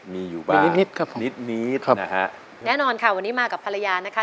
มีอยู่บ้างนิดนิดครับนิดนิดนะฮะแน่นอนค่ะวันนี้มากับภรรยานะคะ